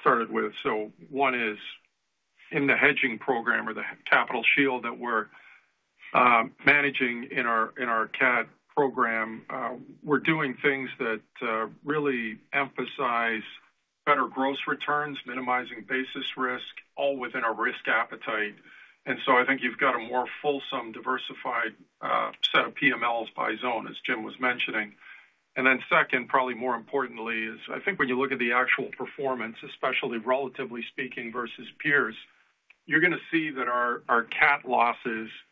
started with. So one is in the hedging program or the capital shield that we're managing in our cat program. We're doing things that really emphasize better gross returns, minimizing basis risk, all within our risk appetite. And so I think you've got a more fulsome, diversified set of PMLs by zone, as Jim was mentioning. And then second, probably more importantly, is I think when you look at the actual performance, especially relatively speaking versus peers, you're going to see that our cat losses are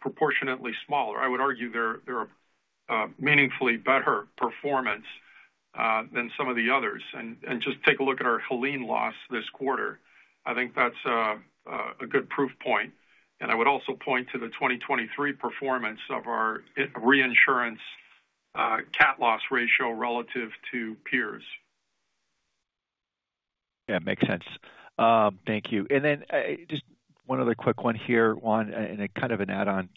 proportionately smaller. I would argue they're a meaningfully better performance than some of the others. And just take a look at our Helene loss this quarter. I think that's a good proof point. And I would also point to the 2023 performance of our reinsurance cat loss ratio relative to peers. Yeah. Makes sense. Thank you. And then just one other quick one here, Juan, and kind of an add-on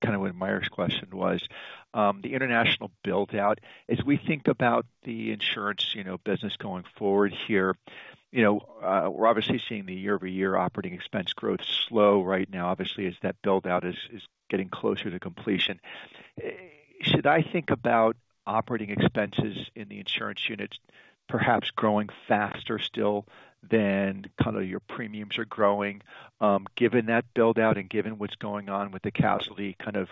kind of what Meyer's question was. The international buildout, as we think about the insurance business going forward here, we're obviously seeing the year-over-year operating expense growth slow right now, obviously, as that buildout is getting closer to completion. Should I think about operating expenses in the insurance units perhaps growing faster still than kind of your premiums are growing, given that buildout and given what's going on with the casualty kind of,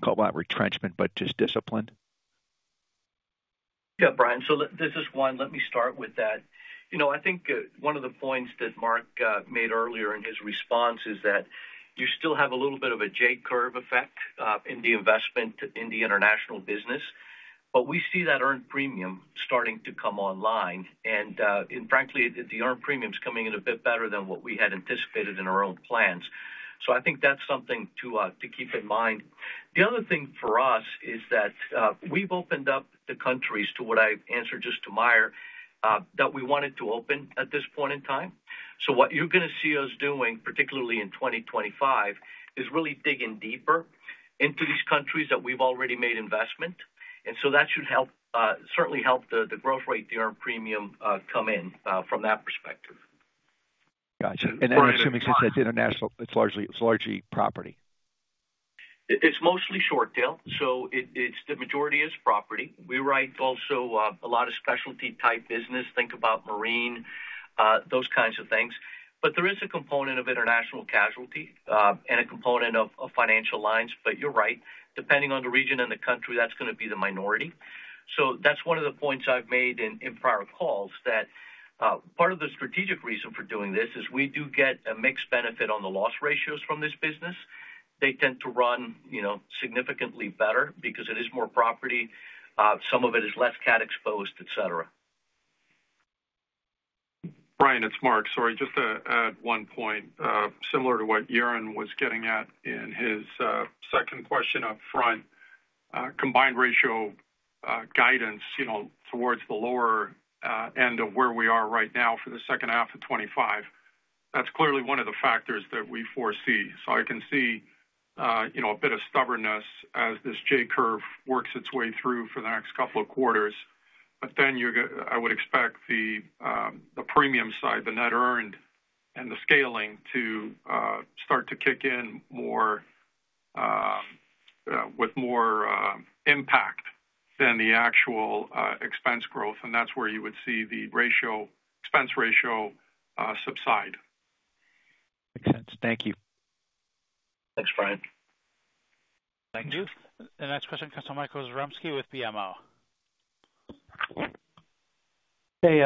call it retrenchment, but just discipline? Yeah, Brian. So this is Juan. Let me start with that. I think one of the points that Mark made earlier in his response is that you still have a little bit of a J curve effect in the investment in the international business. But we see that earned premium starting to come online. Frankly, the earned premium's coming in a bit better than what we had anticipated in our own plans. So I think that's something to keep in mind. The other thing for us is that we've opened up the countries to what I answered just to Meyer that we wanted to open at this point in time. So what you're going to see us doing, particularly in 2025, is really digging deeper into these countries that we've already made investment. That should certainly help the growth rate, the earned premium come in from that perspective. Gotcha. I'm assuming since it's largely property. It's mostly short-tail. The majority is property. We write also a lot of specialty-type business, think about marine, those kinds of things. But there is a component of international casualty and a component of financial lines. You're right. Depending on the region and the country, that's going to be the minority. So that's one of the points I've made in prior calls that part of the strategic reason for doing this is we do get a mixed benefit on the loss ratios from this business. They tend to run significantly better because it is more property. Some of it is less cat exposed, etc. Brian, it's Mark. Sorry. Just to add one point, similar to what Yaron was getting at in his second question upfront, combined ratio guidance towards the lower end of where we are right now for the second half of 2025. That's clearly one of the factors that we foresee. So I can see a bit of stubbornness as this J Curve works its way through for the next couple of quarters. But then I would expect the premium side, the net earned and the scaling to start to kick in with more impact than the actual expense growth. And that's where you would see the expense ratio subside. Makes sense. Thank you. Thanks, Brian. Thank you. The next question comes from Michael Zaremski with BMO. Hey,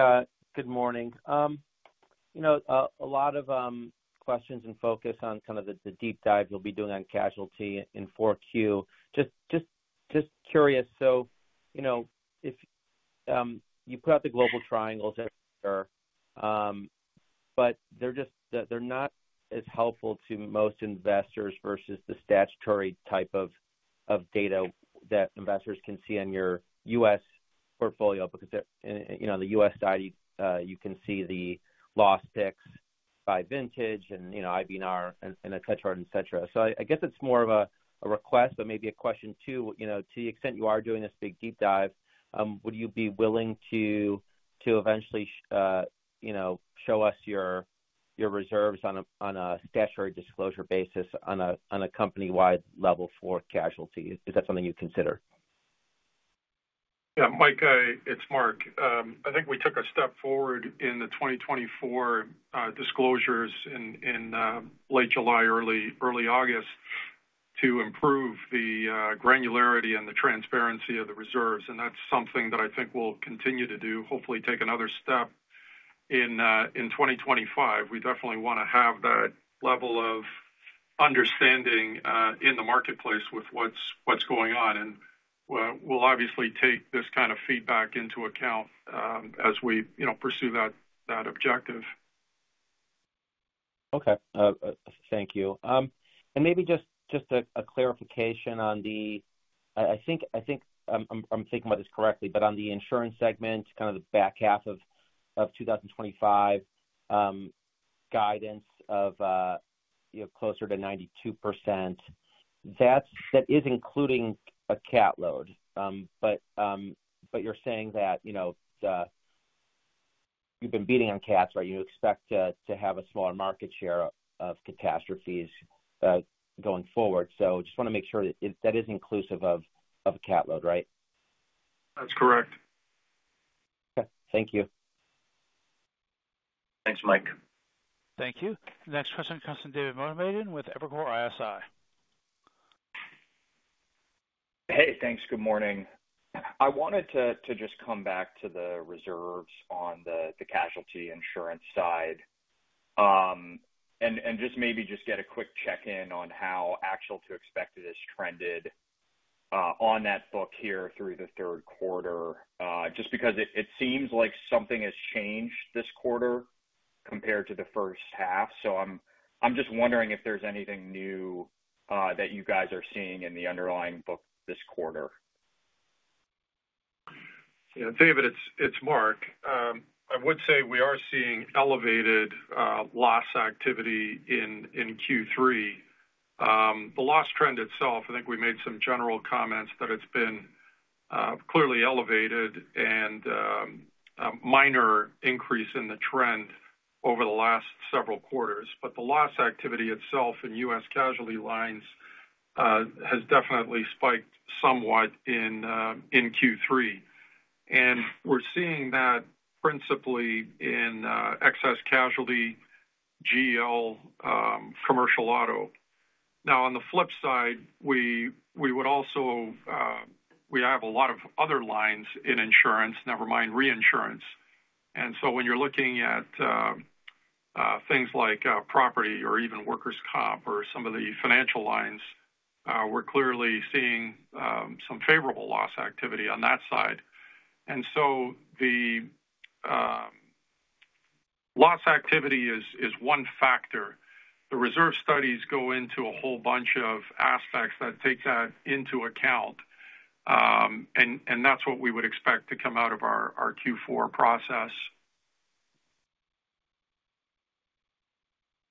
good morning. A lot of questions and focus on kind of the deep dive you'll be doing on casualty in 4Q. Just curious, so you put out the global triangles everywhere, but they're not as helpful to most investors versus the statutory type of data that investors can see on your U.S. portfolio because on the U.S. side, you can see the loss picks by vintage and IBNR and etc., etc. So I guess it's more of a request, but maybe a question too. To the extent you are doing this big deep dive, would you be willing to eventually show us your reserves on a statutory disclosure basis on a company-wide level for casualty? Is that something you'd consider? Yeah. Mike, it's Mark. I think we took a step forward in the 2024 disclosures in late July, early August to improve the granularity and the transparency of the reserves. And that's something that I think we'll continue to do, hopefully take another step in 2025. We definitely want to have that level of understanding in the marketplace with what's going on. And we'll obviously take this kind of feedback into account as we pursue that objective. Okay. Thank you. And maybe just a clarification on the—I think I'm thinking about this correctly, but on the insurance segment, kind of the back half of 2025 guidance of closer to 92%. That is including a cat load. But you're saying that you've been beating on cats, right? You expect to have a smaller market share of catastrophes going forward. So I just want to make sure that that is inclusive of a cat load, right? That's correct. Okay. Thank you. Thanks, Mike. Thank you. The next question comes from David Motemaden with Evercore ISI. Hey, thanks. Good morning. I wanted to just come back to the reserves on the casualty insurance side and just maybe just get a quick check-in on how actual to expected has trended on that book here through the third quarter, just because it seems like something has changed this quarter compared to the first half. So I'm just wondering if there's anything new that you guys are seeing in the underlying book this quarter. David, it's Mark. I would say we are seeing elevated loss activity in Q3. The loss trend itself, I think we made some general comments that it's been clearly elevated and a minor increase in the trend over the last several quarters, but the loss activity itself in U.S. casualty lines has definitely spiked somewhat in Q3, and we're seeing that principally in excess casualty, GL, commercial auto. Now, on the flip side, we would also, we have a lot of other lines in insurance, never mind reinsurance, and so when you're looking at things like property or even workers' comp or some of the financial lines, we're clearly seeing some favorable loss activity on that side, and so the loss activity is one factor. The reserve studies go into a whole bunch of aspects that take that into account. And that's what we would expect to come out of our Q4 process.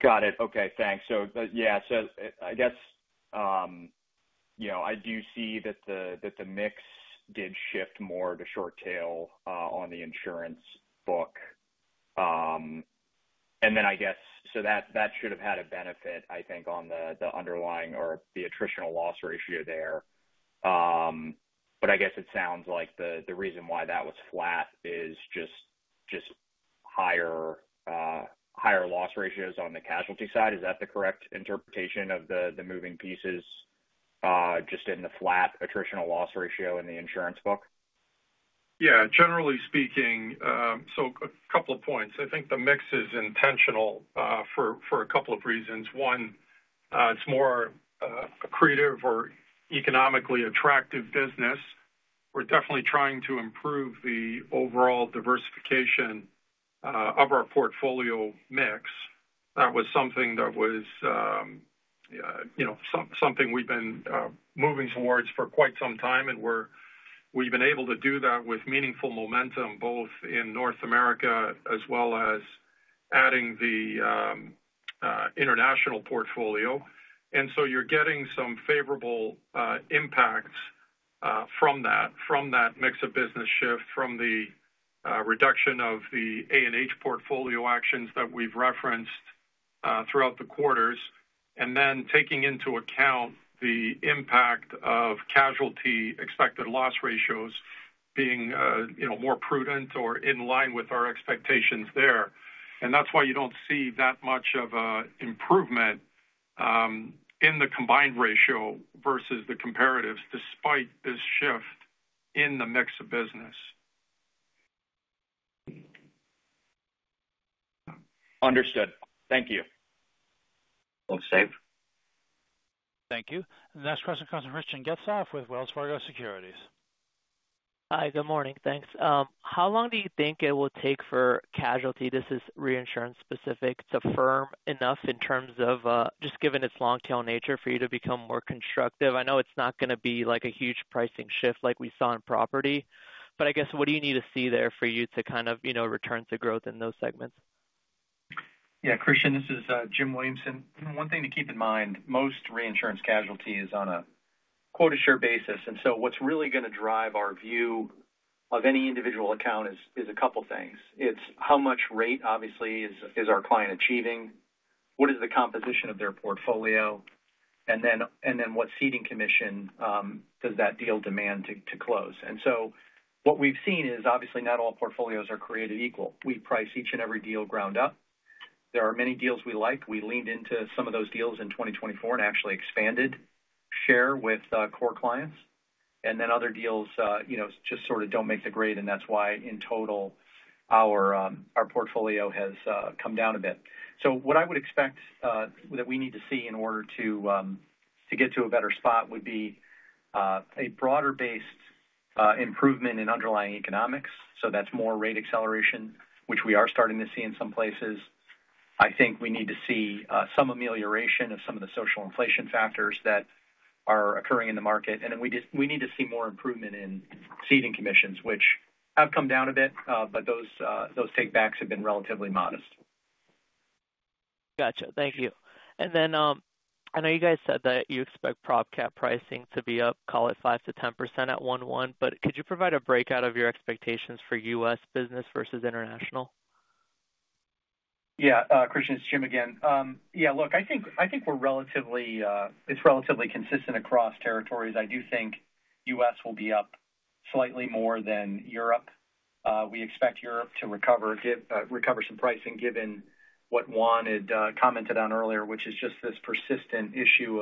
Got it. Okay. Thanks. So yeah. So I guess I do see that the mix did shift more to short-tail on the insurance book. And then I guess so that should have had a benefit, I think, on the underlying or the attritional loss ratio there. But I guess it sounds like the reason why that was flat is just higher loss ratios on the casualty side. Is that the correct interpretation of the moving pieces just in the flat attritional loss ratio in the insurance book? Yeah. Generally speaking, so a couple of points. I think the mix is intentional for a couple of reasons. One, it's more accretive or economically attractive business. We're definitely trying to improve the overall diversification of our portfolio mix. That was something we've been moving towards for quite some time. And we've been able to do that with meaningful momentum both in North America as well as adding the international portfolio. And so you're getting some favorable impacts from that, from that mix of business shift, from the reduction of the A&H portfolio actions that we've referenced throughout the quarters, and then taking into account the impact of casualty expected loss ratios being more prudent or in line with our expectations there. And that's why you don't see that much of an improvement in the combined ratio versus the comparatives despite this shift in the mix of business. Understood. Thank you. Looks safe. Thank you. The next question comes from Christian Getzoff with Wells Fargo Securities. Hi. Good morning. Thanks. How long do you think it will take for casualty—this is reinsurance specific—to firm enough in terms of just given its long-tail nature for you to become more constructive? I know it's not going to be like a huge pricing shift like we saw in property, but I guess what do you need to see there for you to kind of return to growth in those segments? Yeah. Christian, this is Jim Williamson. One thing to keep in mind, most casualty reinsurance is on a quota share basis. And so what's really going to drive our view of any individual account is a couple of things. It's how much rate, obviously, is our client achieving? What is the composition of their portfolio? And then what ceding commission does that deal demand to close? And so what we've seen is, obviously, not all portfolios are created equal. We price each and every deal ground up. There are many deals we like. We leaned into some of those deals in 2024 and actually expanded share with core clients. And then other deals just sort of don't make the grade. And that's why, in total, our portfolio has come down a bit. So what I would expect that we need to see in order to get to a better spot would be a broader-based improvement in underlying economics. So that's more rate acceleration, which we are starting to see in some places. I think we need to see some amelioration of some of the social inflation factors that are occurring in the market. And then we need to see more improvement in ceding commissions, which have come down a bit, but those take backs have been relatively modest. Gotcha. Thank you. And then I know you guys said that you expect prop cat pricing to be up, call it 5%-10% at 1-1, but could you provide a breakout of your expectations for U.S. business versus international? Yeah. Christian, it's Jim again. Yeah. Look, I think we're relatively. It's relatively consistent across territories. I do think U.S. will be up slightly more than Europe. We expect Europe to recover some pricing given what Juan had commented on earlier, which is just this persistent issue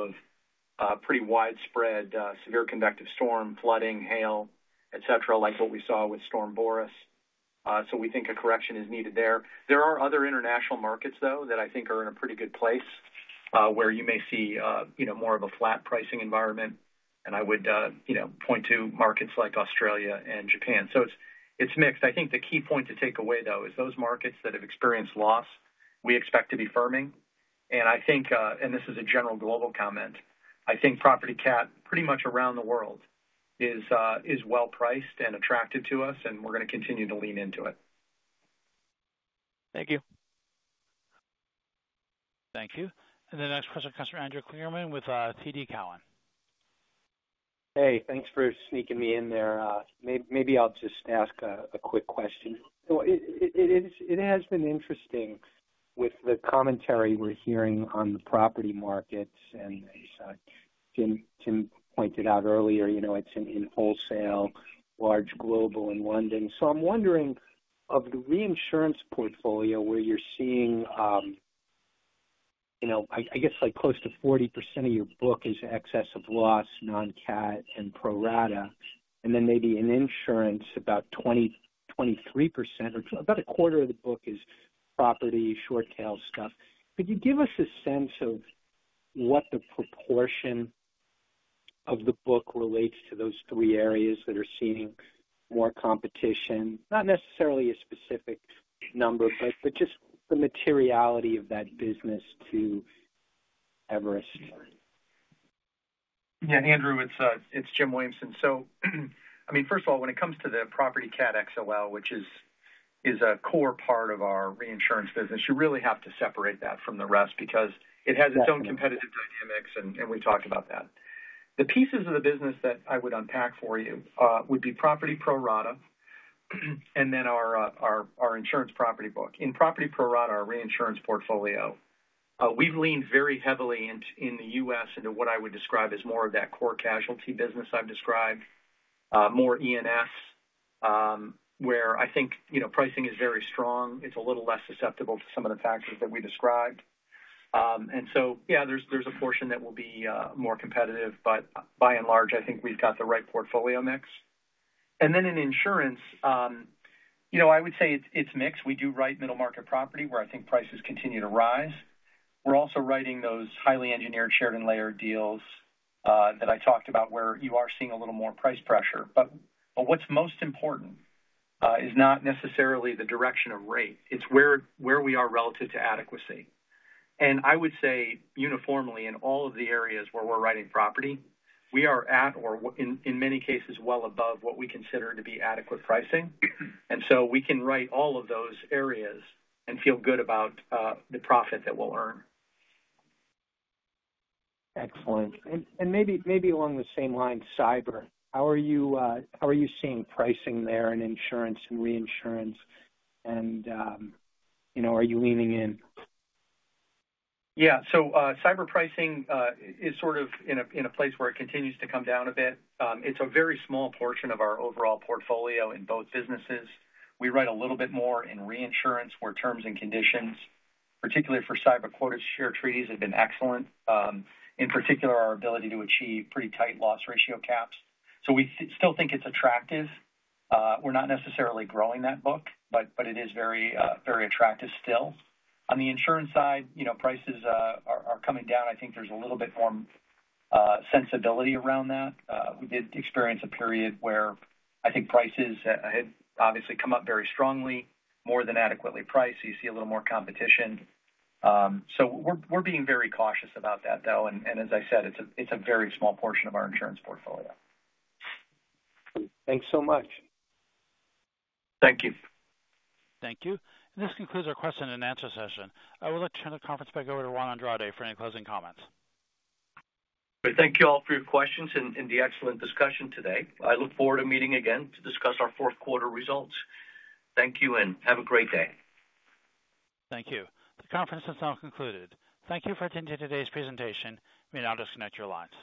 of pretty widespread severe convective storm, flooding, hail, etc., like what we saw with Storm Boris. So we think a correction is needed there. There are other international markets, though, that I think are in a pretty good place where you may see more of a flat pricing environment. And I would point to markets like Australia and Japan. So it's mixed. I think the key point to take away, though, is those markets that have experienced loss, we expect to be firming. And this is a general global comment. I think property cat pretty much around the world is well-priced and attractive to us, and we're going to continue to lean into it. Thank you. Thank you. And the next question comes from Andrew Kligerman with TD Cowen. Hey, thanks for sneaking me in there. Maybe I'll just ask a quick question. It has been interesting with the commentary we're hearing on the property markets. And as Jim pointed out earlier, it's in wholesale, large global in London. So I'm wondering, of the reinsurance portfolio where you're seeing, I guess, close to 40% of your book is excess of loss, non-cat, and pro rata, and then maybe in insurance, about 23%, or about a quarter of the book is property, short-tail stuff. Could you give us a sense of what the proportion of the book relates to those three areas that are seeing more competition? Not necessarily a specific number, but just the materiality of that business to Everest. Yeah. Andrew, it's Jim Williamson. So I mean, first of all, when it comes to the property CAT XOL, which is a core part of our reinsurance business, you really have to separate that from the rest because it has its own competitive dynamics, and we talked about that. The pieces of the business that I would unpack for you would be property pro rata and then our insurance property book. In property pro rata, our reinsurance portfolio, we've leaned very heavily in the U.S. into what I would describe as more of that core casualty business I've described, more E&S, where I think pricing is very strong. It's a little less susceptible to some of the factors that we described. And so, yeah, there's a portion that will be more competitive, but by and large, I think we've got the right portfolio mix. And then in insurance, I would say it's mixed. We do write middle market property where I think prices continue to rise. We're also writing those highly engineered shared and layered deals that I talked about where you are seeing a little more price pressure. But what's most important is not necessarily the direction of rate. It's where we are relative to adequacy. And I would say uniformly in all of the areas where we're writing property, we are at, or in many cases, well above what we consider to be adequate pricing. And so we can write all of those areas and feel good about the profit that we'll earn. Excellent. And maybe along the same line, cyber. How are you seeing pricing there in insurance and reinsurance? And are you leaning in? Yeah. So cyber pricing is sort of in a place where it continues to come down a bit. It's a very small portion of our overall portfolio in both businesses. We write a little bit more in reinsurance where terms and conditions, particularly for cyber quota share treaties, have been excellent, in particular our ability to achieve pretty tight loss ratio caps. So we still think it's attractive. We're not necessarily growing that book, but it is very attractive still. On the insurance side, prices are coming down. I think there's a little bit more sensibility around that. We did experience a period where I think prices had obviously come up very strongly, more than adequately priced. You see a little more competition. So we're being very cautious about that, though. And as I said, it's a very small portion of our insurance portfolio. Thanks so much. Thank you. Thank you. This concludes our question and answer session. I would like to turn the conference back over to Juan Andrade for any closing comments. Thank you all for your questions and the excellent discussion today. I look forward to meeting again to discuss our fourth quarter results. Thank you and have a great day. Thank you. The conference has now concluded. Thank you for attending today's presentation. We now disconnect your lines.